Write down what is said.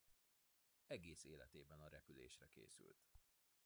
Egész életében a repülésre készült.